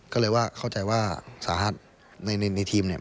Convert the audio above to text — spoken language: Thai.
ก็เลยว่าเข้าใจว่าสาหัสในทีมเนี่ย